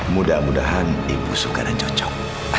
mudah mudahan ibu suka dan cocok